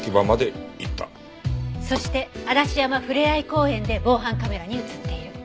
そして嵐山ふれあい公園で防犯カメラに映っている。